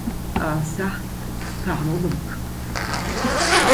Ah çà, parlons donc.